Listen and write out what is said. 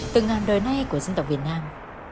tương ái của dân việt nam